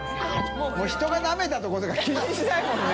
發人がなめたとことか気にしないもんね。